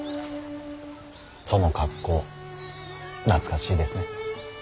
その格好懐かしいですね。